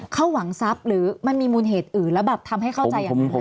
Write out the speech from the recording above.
เขาหวังทรัพย์หรือมันมีมูลเหตุอื่นแล้วแบบทำให้เข้าใจอย่างนั้น